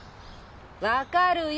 分かるよ